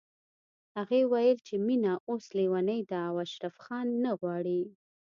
هغې ويل چې مينه اوس ليونۍ ده او اشرف خان نه غواړي